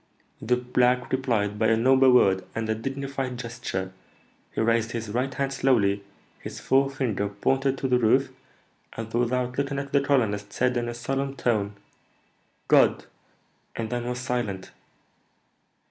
The black replied by a noble word and a dignified gesture; he raised his right hand slowly, his forefinger pointed to the roof, and, without looking at the colonist, said in a solemn tone, 'God!' and then was silent.